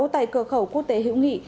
tại cửa khẩu quốc tế hữu nghị